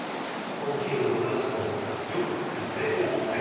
大きいものが「スコップ」ですねはい。